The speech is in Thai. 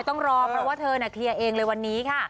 ต้องรอเพราะว่าเธอเคลียร์เองเลยวันนี้ค่ะ